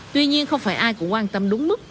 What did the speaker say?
tuy nhiên không phải ai cũng quan tâm đúng mức